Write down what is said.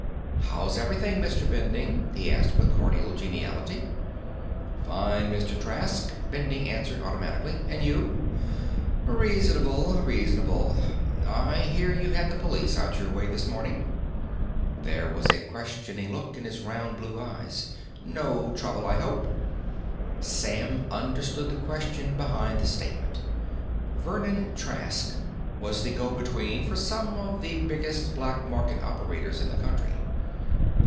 "How's everything, Mr. Bending?" he asked with cordial geniality. "Fine, Mr. Trask," Bending answered automatically. "And you?" "Reasonable, reasonable. I hear you had the police out your way this morning." There was a questioning look in his round blue eyes. "No trouble, I hope." Sam understood the question behind the statement. Vernon Trask was the go between for some of the biggest black market operators in the country.